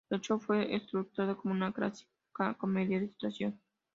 El show fue estructurado como una clásica comedia de situación.